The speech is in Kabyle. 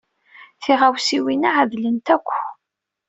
Tiɣawsiwin-a ɛedlen akk.